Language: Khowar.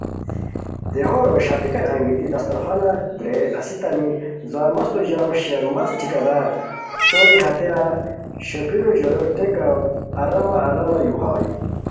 دیہو روئے ݰاپیکان انگیتی دسترخوان درے اسیتانی زرمستو ژاؤ (شیرمست ٹھیکہ دار) توری ہتیرا شوپھیرو ژویو ٹیکو آرامہ آرامہ یو ہائے